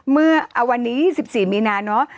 เมื่อเอาวันนี้๒๔มีนาเนอะ